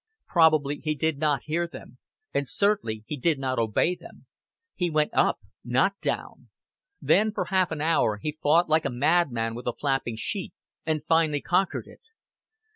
Probably he did not hear them, and certainly he did not obey them. He went up, not down. Then for half an hour he fought like a madman with the flapping sheet, and finally conquered it.